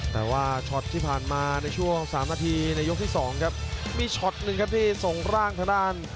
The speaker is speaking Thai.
แต่ว่าช็อตที่ผ่านมาในช่วงสามนาทีในยกที่สองครับมีช็อตหนึ่งครับที่ส่งร่างทางด้าน